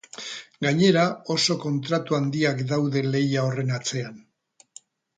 Gainera, oso kontratu handiak daude lehia horren atzean.